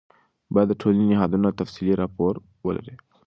باید د ټولنې د نهادونو تفصیلي راپور ولرئ.